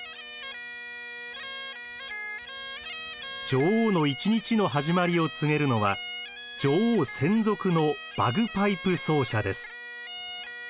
女王の一日の始まりを告げるのは女王専属のバグパイプ奏者です。